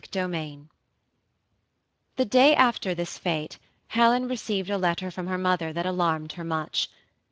CHAPTER XXIX, The daj after this f)^te, Helen received a letter from her mother that alarmed her much.